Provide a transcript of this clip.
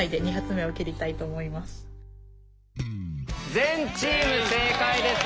全チーム正解です。